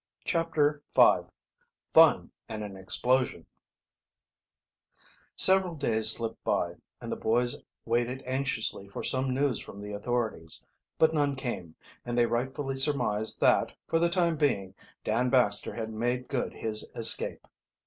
CHAPTER V FUN AND AN EXPLOSION Several days slipped by, and the boys waited anxiously for some news from the authorities. But none came, and they rightfully surmised that, for the time being, Dan Baxter had made good his escape.